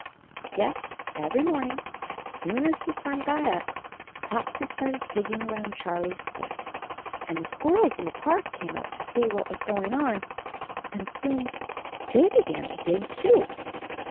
Yes, every morning as soon as the sun got up, Topsy started digging around Charlie's foot, and the squirrels in the park came up to see what was going on and soon they be gan to dig too.